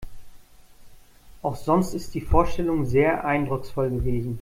Auch sonst ist die Vorstellung sehr eindrucksvoll gewesen.